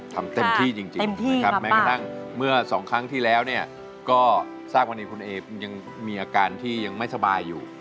ทำเต็มที่จริงนะครับแม้กระทั่งเมื่อสองครั้งที่แล้วเนี่ยก็ทราบวันนี้คุณเอยังมีอาการที่ยังไม่สบายอยู่